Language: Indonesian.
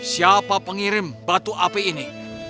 siapa pengirim batu api ini